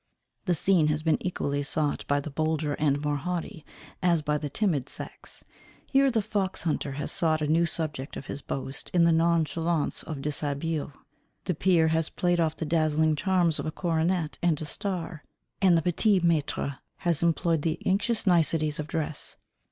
The scene has been equally sought by the bolder and more haughty, as by the timid sex. Here the foxhunter has sought a new subject of his boast in the nonchalance of dishabille; the peer has played off the dazzling charms of a coronet and a star; and the petit maître has employed the anxious niceties of dress.